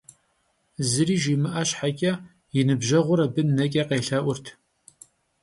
Zıri jjimı'e şheç'e, yi nıbjeğur abı neç'e khêlhe'urt.